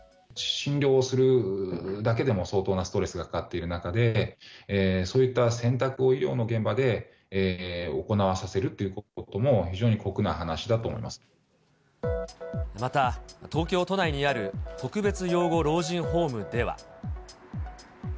診療するだけでも相当なストレスがかかっている中で、そういった選択を医療の現場で行わさせるっていうことも、非常にまた東京都内にある特別養護老人ホームでは。